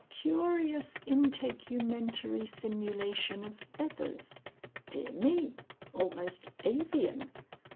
Curious integumentary simulation of feathers. Dear me. Almost avian.